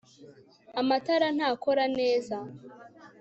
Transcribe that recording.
amatara ntakora neza